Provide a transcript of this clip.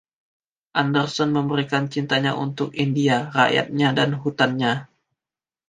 Anderson memberikan cintanya untuk India, rakyatnya, dan hutannya.